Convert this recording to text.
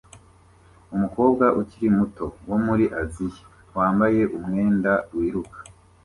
Umukobwa ukiri muto wo muri Aziya wambaye umwenda wiruka